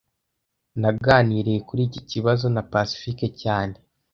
Naganiriye kuri iki kibazo na Pacifique cyane